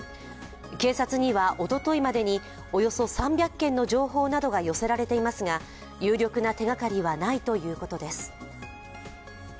警察には、おとといまでにおよそ３００件の情報などが寄せられていますが有力な手がかりはないということです。